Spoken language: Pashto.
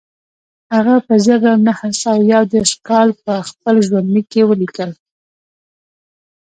هغه په زر نه سوه یو دېرش کال په خپل ژوندلیک کې ولیکل